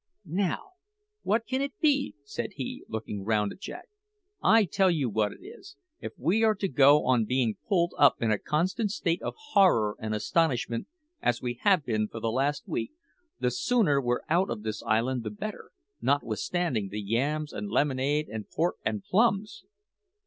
"Now, what can it be?" said he, looking round at Jack. "I tell you what it is: if we are to go on being pulled up in a constant state of horror and astonishment, as we have been for the last week, the sooner we're out o' this island the better, notwithstanding the yams and lemonade, and pork and plums!"